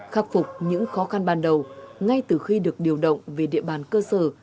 khắc phục những khó khăn ban đầu ngay từ khi được điều động về địa bàn cơ sở